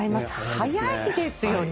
早いですよね。